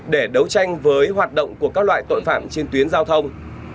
để đấu tranh với hoạt động của các loại tội phạm trên tuyến giao thông